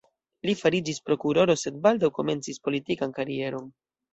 Li fariĝis prokuroro, sed baldaŭ komencis politikan karieron.